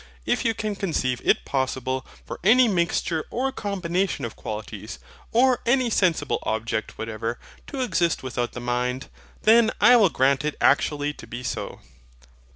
If you can conceive it possible for any mixture or combination of qualities, or any sensible object whatever, to exist without the mind, then I will grant it actually to be so.